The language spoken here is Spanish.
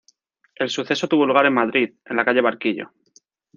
El suceso tuvo lugar en Madrid, en la calle Barquillo.